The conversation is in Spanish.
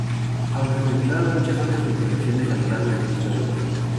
Aunque continuaron muchas otras intervenciones a lo largo de su historia.